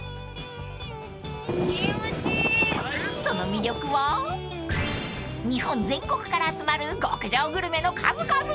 ［その魅力は日本全国から集まる極上グルメの数々］